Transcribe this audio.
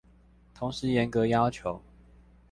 同時嚴格要求